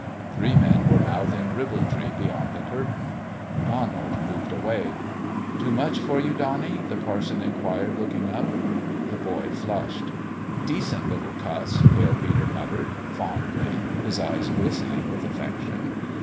Three men were mouthing ribaldry beyond the curtain. Donald moved away. " Too much for you, Donnie ?" the parson in quired, looking up. The boy flushed. " Decent little cuss!" Pale Peter muttered, fondly, his eyes glistening with affection.